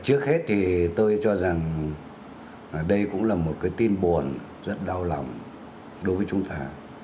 trước hết thì tôi cho rằng đây cũng là một cái tin buồn rất đau lòng đối với chúng ta